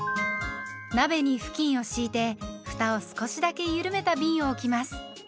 鍋に布巾を敷いてふたを少しだけゆるめたびんを置きます。